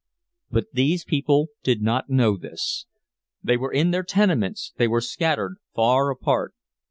But these people did not know this. They were in their tenements, they were scattered far apart.